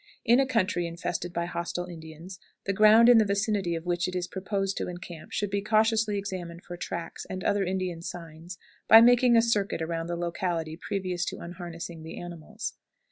In a country infested by hostile Indians, the ground in the vicinity of which it is proposed to encamp should be cautiously examined for tracks and other Indian signs by making a circuit around the locality previous to unharnessing the animals.